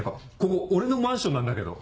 ここ俺のマンションなんだけど。